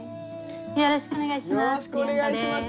よろしくお願いします。